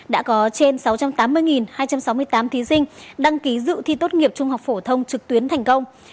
đã có trên sáu trăm tám mươi hai trăm sáu mươi tám thí sinh đăng ký dự thi tốt nghiệp trung học phổ thông trực tuyến thành công